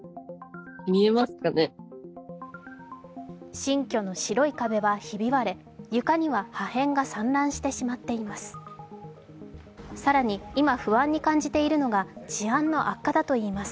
新居の白い壁はひび割れ床には破片が散乱してしまっています。